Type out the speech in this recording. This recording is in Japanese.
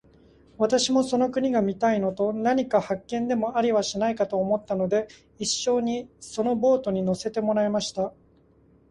私もその国が見たいのと、何か発見でもありはしないかと思ったので、一しょにそのボートに乗せてもらいました。